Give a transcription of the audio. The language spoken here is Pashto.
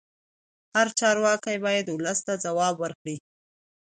هر چارواکی باید ولس ته ځواب ورکړي